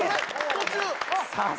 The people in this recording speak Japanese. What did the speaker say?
途中。